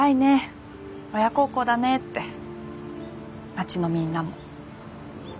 町のみんなも。